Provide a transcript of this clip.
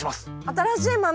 新しい豆！